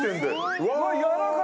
うわっ柔らかい！